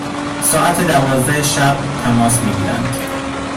ساعت دوازده شب تماس می گیرند،